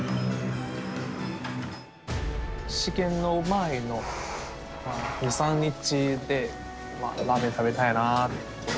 試験の前の２３日でラーメン食べたいなと感じます。